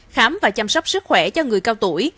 khám và chăm sóc sức khỏe cho người cao tuổi